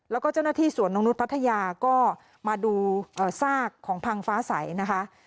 แล้วก็เจ้าหน้าที่สวนนกนุษย์พัทยาก็มาดูซากของพังฟ้าใสนะคะ